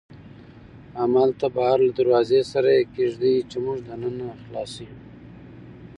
همالته بهر له دروازې سره یې کېږدئ، چې موږ دننه خلاص یو.